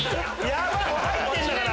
入ってんだから。